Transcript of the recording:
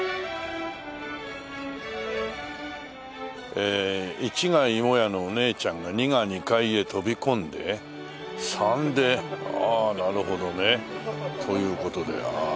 え１が芋屋のお姉ちゃんが２が２階へ飛び込んで３でああなるほどね。という事であ